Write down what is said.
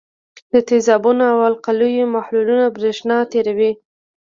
د تیزابونو او القلیو محلولونه برېښنا تیروي.